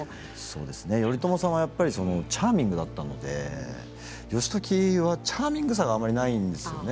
頼朝さんはチャーミングだったので義時は、チャーミングさはあまりないんですよね。